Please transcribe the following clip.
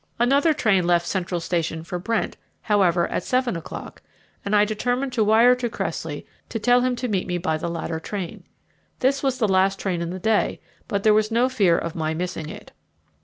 Another train left Central Station for Brent, however, at seven o'clock, and I determined to wire to Cressley to tell him to meet me by the latter train. This was the last train in the day, but there was no fear of my missing it.